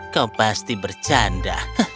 kau pasti bercanda